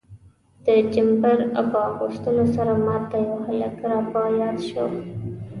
د جمپر په اغوستلو سره ما ته یو هلک را په یاد شو.